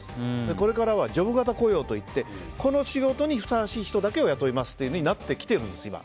これからはジョブ型雇用といってこの仕事にふさわしい人だけを雇うということになっています。